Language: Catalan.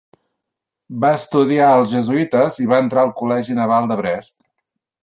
Va estudiar als jesuïtes i va entrar al col·legi naval de Brest.